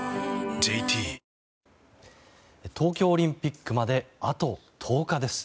ＪＴ東京オリンピックまであと１０日です。